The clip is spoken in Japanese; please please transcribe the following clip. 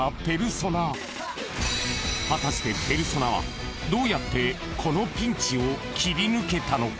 ［果たしてペルソナはどうやってこのピンチを切り抜けたのか？］